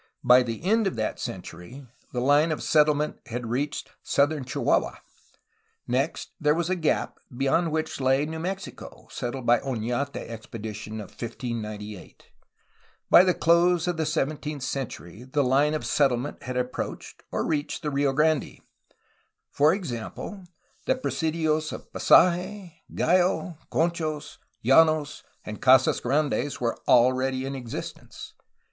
By the end of that century the line of settlement had reached southern Chihuahua. Next there was a gap, beyond which lay New Mexico, settled by the Ofiate expedition of 1598. By the close of the seventeenth century the line of settlement had approached 146 A HISTORY OF CALIFORNIA or reached the Rio Grande; for example, the presidios of Pasage, Gallo, Conchos, Janos, and Casas Grandes were already in existence.